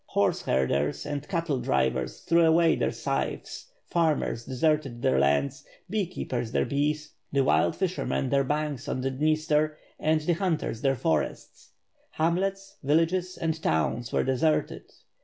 Horse herders and cattle drivers threw away their scythes, farmers deserted their lands, bee keepers their bees, the wild fishermen their banks on the Dniester, and the hunters their forests. Hamlets, villages and towns were de serted.